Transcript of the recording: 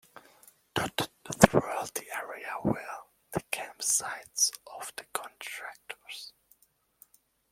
Dotted throughout the area were the camp sites of the contractors.